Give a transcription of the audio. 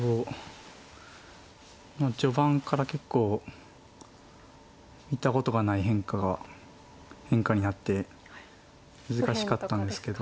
序盤から結構見たことがない変化が変化になって難しかったんですけど。